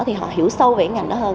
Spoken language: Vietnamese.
thì họ hiểu sâu về ngành đó hơn